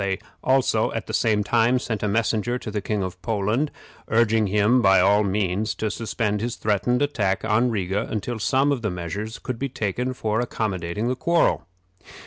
They also, at the same time, sent a messenger to the King of Poland, urging him by all means to suspend his threatened attack on Riga until some measures could be taken for accommodating the quarrel.